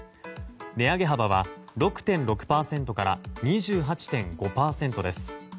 値上げ幅は６．６％から２８．５％です。